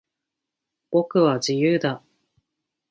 僕は、自由だ。